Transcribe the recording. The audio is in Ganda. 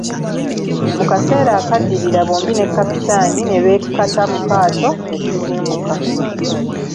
Mu kaseera akaddirira bombi ne Kapitaani ne bekkata mu kaato ne tusimbuka.